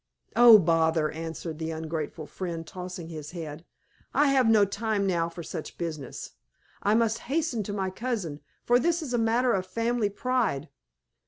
"Oh, bother!" answered the ungrateful friend, tossing his head. "I have no time now for such business. I must hasten to my cousin, for this is a matter of family pride.